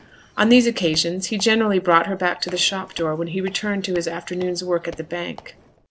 On these occasions he generally brought her back to the shop door when he returned to his afternoon's work at the Bank.